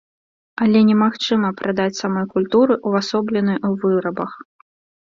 Але немагчыма прадаць самой культуры, увасобленай у вырабах.